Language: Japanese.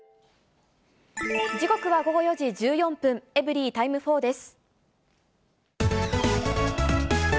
時刻は午後４時１４分、エブリィタイム４です。